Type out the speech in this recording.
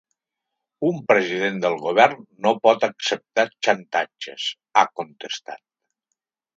Un president del govern no pot acceptar xantatges, ha contestat.